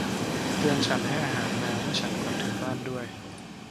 เตือนฉันให้อาหารแมวเมื่อฉันกลับถึงบ้านด้วย